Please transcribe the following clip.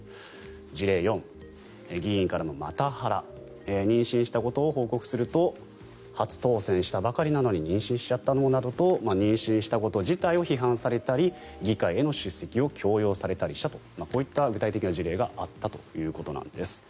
事例４、議員からのマタハラ妊娠したことを報告すると初当選したばかりなのに妊娠しちゃったのなどと妊娠したこと自体を批判されたり議会への出席を強要されたりしたとこういった具体的な事例があったということなんです。